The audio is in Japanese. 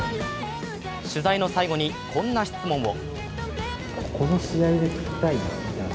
取材の最後にこんな質問を。